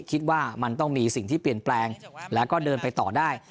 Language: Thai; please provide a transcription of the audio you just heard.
คิดว่ามันต้องมีสิ่งที่เปลี่ยนแปลงแล้วก็เดินไปต่อได้